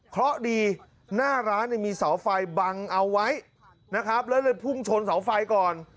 เพราะดีหน้าร้านมีเสาไฟบังเอาไว้นะครับแล้วเลยพุ่งชนเสาไฟก่อน